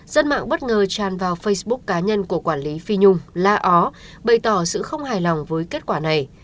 dân mạng bất ngờ tràn vào facebook cá nhân của quản lý phi nhung la ó bày tỏ sự không hài lòng với kết quả này